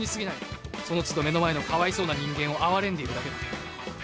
「その都度目の前のかわいそうな人間を哀れんでいるだけだ」